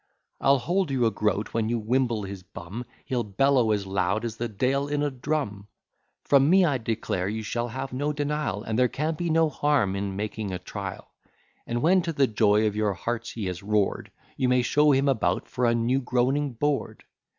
I'll hold you a groat, when you wimble his bum, He'll bellow as loud as the de'il in a drum. From me, I declare you shall have no denial; And there can be no harm in making a trial: And when to the joy of your hearts he has roar'd, You may show him about for a new groaning board.